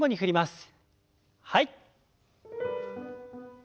はい。